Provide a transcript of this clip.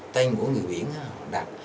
tên của người biển họ đặt